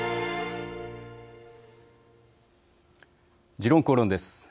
「時論公論」です。